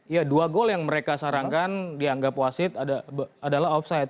ya dua gol yang mereka sarankan dianggap wasit adalah offside